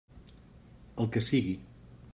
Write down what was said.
El que sigui.